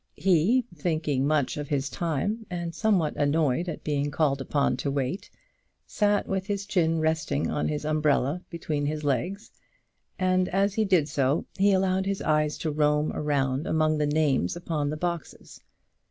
He, thinking much of his time, and somewhat annoyed at being called upon to wait, sat with his chin resting on his umbrella between his legs, and as he did so he allowed his eyes to roam around among the names upon the boxes.